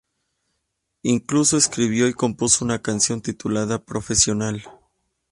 Incluso escribió y compuso una canción titulada "profesional".